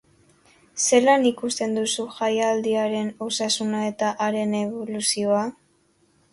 Zelan ikusten duzu jaialdiaren osasuna eta haren eboluzioa?